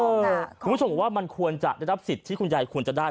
คุณผู้ชมบอกว่ามันควรจะได้รับสิทธิ์ที่คุณยายควรจะได้